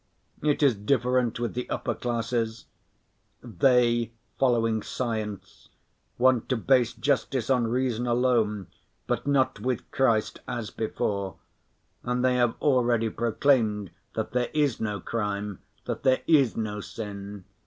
It is different with the upper classes. They, following science, want to base justice on reason alone, but not with Christ, as before, and they have already proclaimed that there is no crime, that there is no sin.